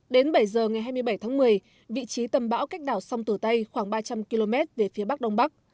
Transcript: đến bảy giờ ngày hai mươi bảy tháng một mươi vị trí tầm bão cách đảo sông tử tây khoảng ba trăm linh km về phía bắc đông bắc